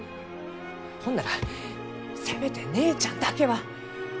ほんならせめて姉ちゃんだけは。